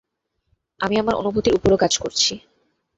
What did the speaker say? আমি আমার অনুভূতির উপরও কাজ করছি।